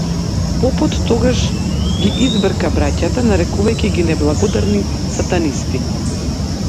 Попот тогаш ги избрка браќата нарекувајќи ги неблагодарни сатанисти.